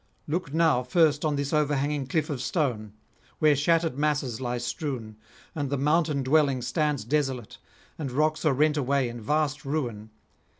Look now first on this overhanging cliff of stone, where shattered masses lie strewn, and the mountain dwelling stands desolate, and rocks are rent away in vast ruin.